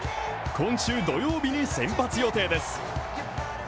今週土曜日に先発予定です。